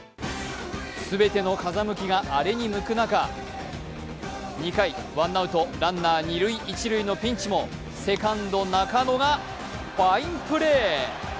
全ての風向きがアレに向く中２回ワンアウトランナー二塁・一塁のピンチもセカンド中野がファインプレー。